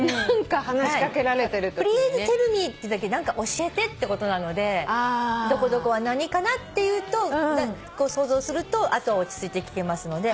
「Ｐｌｅａｓｅｔｅｌｌｍｅ」「教えて」ってことなのでどこどこは何かなっていうと想像するとあとは落ち着いて聞けますので。